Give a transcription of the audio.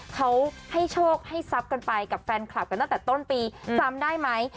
เขาให้โชคให้ทรัพย์กันไปกับแฟนคลับกันตั้งแต่ต้นปีจำได้ไหม